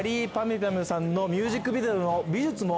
ゅぱみゅさんのミュージックビデオの美術も